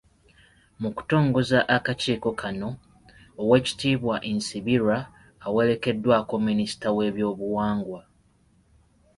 Mu kutongoza akakiiko kano, Owek.Nsibirwa awerekeddwako Minisita w’ebyobuwangwa.